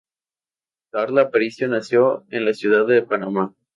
Karla Aparicio nació en la ciudad de Panamá.